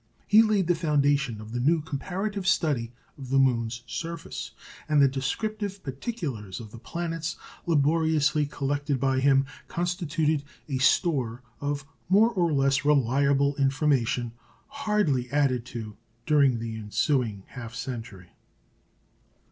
He laid the foundation of the comparative study of the moon's surface, and the descriptive particulars of the planets laboriously collected by him constituted a store of more or less reliable information hardly added to during the ensuing half century.